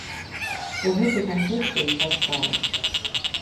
У гэтай канцэпцыі ўся справа!